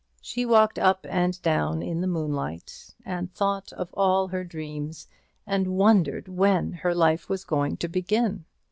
She walked up and down in the moonlight, and thought of all her dreams; and wondered when her life was going to begin.